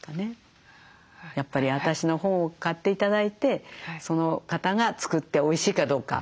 やっぱり私の本を買って頂いてその方が作っておいしいかどうか。